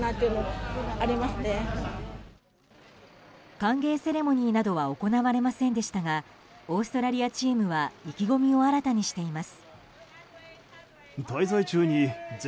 歓迎セレモニーなどは行われませんでしたがオーストラリアチームは意気込みを新たにしています。